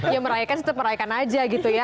ya merayakan tetap merayakan aja gitu ya